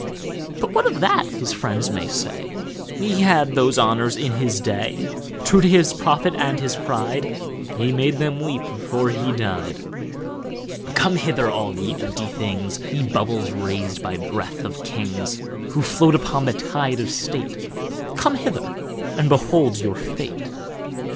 But what of that, his friends may say, He had those honours in his day. True to his profit and his pride, He made them weep before he dy'd. Come hither, all ye empty things, Ye bubbles rais'd by breath of Kings; Who float upon the tide of state, Come hither, and behold your fate.